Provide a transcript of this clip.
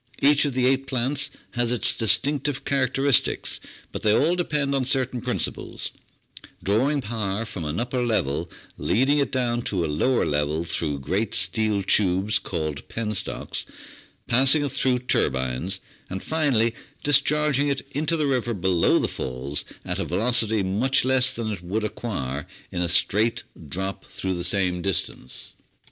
Each of the eight plants has its distinctive charac teristics, but they all depend on certain principles: drawing power from an upper level, leading it down to a lower level through great steel tubes called penstocks, passing it through turbines, and finally discharging it into the river below the Falls at a velocity much less than it would acquire in a straight drop through the same distance.